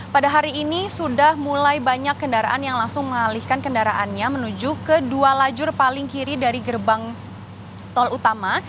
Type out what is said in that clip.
pada hari ini sudah mulai banyak kendaraan yang langsung mengalihkan kendaraannya menuju ke dua lajur paling kiri dari gerbang tol utama